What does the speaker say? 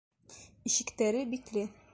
Ишектәре бикле.